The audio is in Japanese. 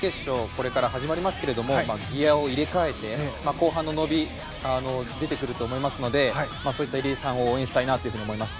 これから始まりますけどギアを入れ替えて、後半の伸び出てくると思いますのでそういった入江さんを応援したいなと思います。